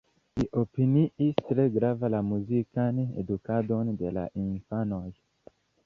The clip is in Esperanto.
Li opiniis tre grava la muzikan edukadon de la infanoj.